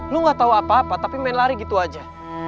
lu gak tau apa apa tapi main lari gitu aja